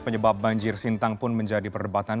penyebab banjir sintang pun menjadi perdebatan